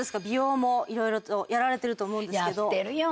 美容もいろいろとやられてると思うんですけど。